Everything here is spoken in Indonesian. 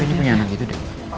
ini punya anak gitu deh